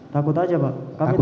takut saja pak